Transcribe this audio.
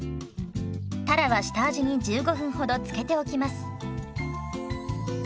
たらは下味に１５分ほど漬けておきます。